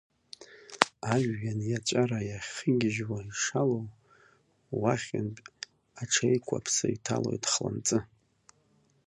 Ажәҩан иаҵәара ихагьыжьуа ишалоу, уахьынтә аҽеикәаԥса иҭалоит хланҵы…